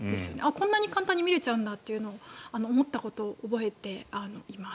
こんなに簡単に見れちゃうんだというのを思ったことを覚えています。